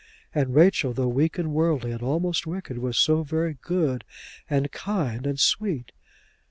And Rachel, though weak and worldly and almost wicked, was so very good and kind and sweet!